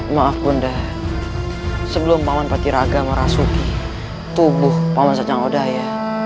maaf bunda sebelum pak man patiraga merasuki tubuh pak man sacangodaya